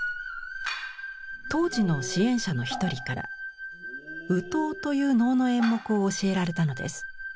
当時の支援者の一人から「善知鳥」という能の演目を教えられたのです。